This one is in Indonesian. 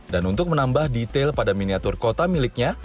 dan untuk menambah detail pada miniatur kota miliknya